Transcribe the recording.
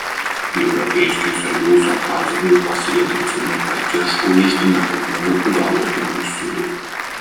Европейский союз оказывает последовательную поддержку Международному уголовному суду.